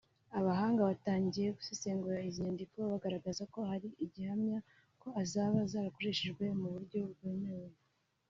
Abahanga batangiye gusesengura izi nyandiko bagaragaza ko hari igihamya ko zaba zarakoreshejwe mu buryo bwemewe